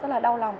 rất là đau lòng